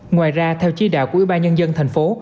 ngoài ra theo chỉ đạo của ủy ban nhân dân thành phố